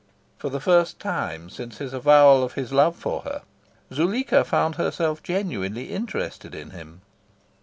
For the first time since his avowal of his love for her, Zuleika found herself genuinely interested in him.